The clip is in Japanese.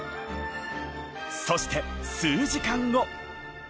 そして数時間後。